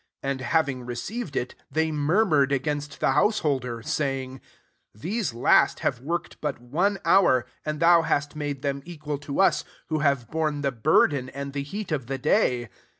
11 And having received it, they mur mured against the householder, 19 saying, ♦These last have worked 6ut one hour, and thou hast made them equal to us, who have borne the burden and the heat of the day.'